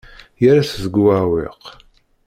Yerra-t deg uɛewwiq.